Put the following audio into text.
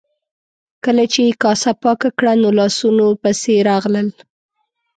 کله چې یې کاسه پاکه کړه نو لاسونو پسې راغلل.